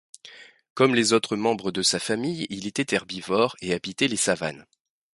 Comme les autres membres de sa famille il était herbivore et habitait les savanes.